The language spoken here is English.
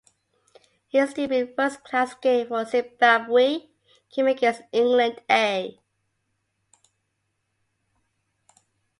His debut first-class game for Zimbabwe came against England A.